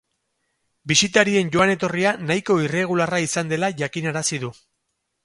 Bisitarien joan-etorria nahiko irregularra izan dela jakinarazi du.